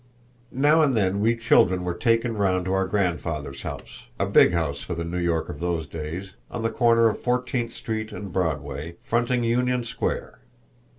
Now and then we children were taken round to our grandfather's house; a big house for the New York of those days, on the corner of Fourteenth Street and Broadway, fronting Union Square.